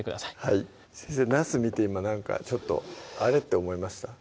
はい先生なす見て今ちょっとあれ？って思いました？